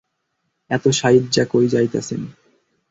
এত সাইজ্জা কই যাইতাছেন?